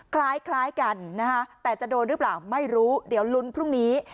คล้ายกันนะคะแต่จะโดนหรือเปล่าไม่รู้เดี๋ยวลุ้นพรุ่งนี้